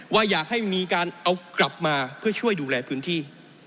ว่าอยากให้มีการเอากลับมาเพื่อช่วยดูแลพื้นที่